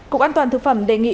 cục an toàn thực phẩm đề nghị